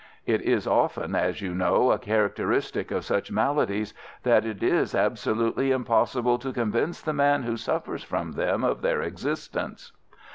It is often, as you know, a characteristic of such maladies that it is absolutely impossible to convince the man who suffers from them of their existence.